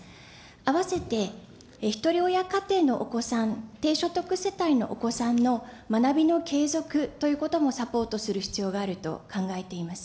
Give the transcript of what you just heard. あわせてひとり親家庭のお子さん、低所得世帯のお子さんの学びの継続ということもサポートする必要があると考えています。